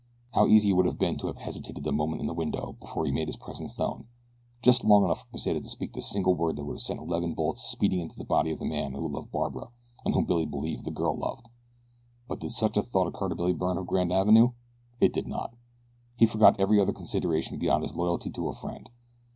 How easy it would have been to have hesitated a moment in the window before he made his presence known just long enough for Pesita to speak the single word that would have sent eleven bullets speeding into the body of the man who loved Barbara and whom Billy believed the girl loved. But did such a thought occur to Billy Byrne of Grand Avenue? It did not. He forgot every other consideration beyond his loyalty to a friend.